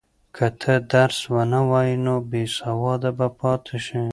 که ته درس ونه وایې نو بېسواده به پاتې شې.